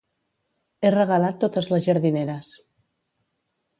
He regalat totes les jardineres